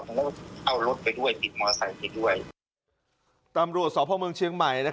ทั้งก็เอารถไปด้วยปิดมอเตอร์ไซส์ไปด้วยตำรวจส่วนเนินเชียงใหม่นะครับ